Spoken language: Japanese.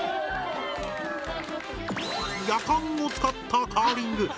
ヤカンを使ったカーリング。